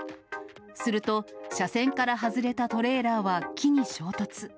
すると、車線から外れたトレーラーは木に衝突。